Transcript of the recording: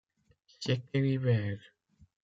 C’était l'hiver.